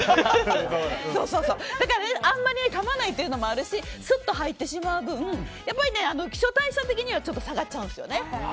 だから、あんまりかまないというのもあるしスッと入ってしまう分やっぱり基礎代謝的にはちょっと下がっちゃうんですよね。